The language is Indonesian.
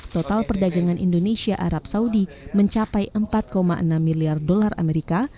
total perdagangan indonesia arab saudi mencapai empat enam miliar dolar amerika